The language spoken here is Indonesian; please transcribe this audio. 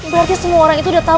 berarti semua orang itu udah tahu